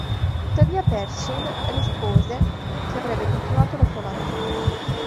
Tuttavia Pershing rispose che avrebbe continuato la sua avanzata.